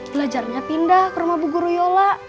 belajarnya pindah ke rumah bu guru yola